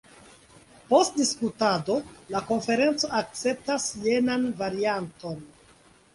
Post diskutado la konferenco akceptas jenan varianton.